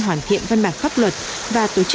hoàn thiện văn bản pháp luật và tổ chức